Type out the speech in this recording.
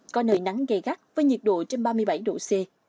có nơi nắng gây gắt với nhiệt độ trên ba mươi bảy độ c